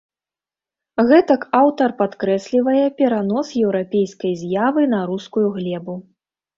Гэтак аўтар падкрэслівае перанос еўрапейскай з'явы на рускую глебу.